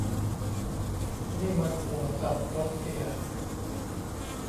นี่มันโหดสัสรัสเซีย